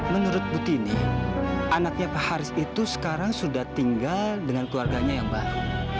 menurut bu tini anaknya pak haris itu sekarang sudah tinggal dengan keluarganya yang baru